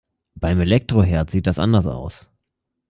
Beim Elektroherd sieht das anders aus.